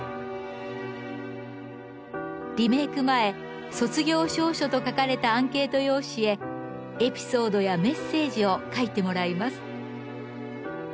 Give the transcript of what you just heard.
リメーク前「卒業証書」と書かれたアンケート用紙へエピソードやメッセージを書いてもらいます。